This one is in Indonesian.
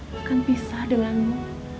bahkan pisah denganmu